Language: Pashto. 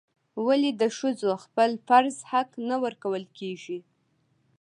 ولې د ښځو خپل فرض حق نه ورکول کیږي؟